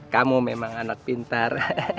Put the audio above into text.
kamu memang anak pintar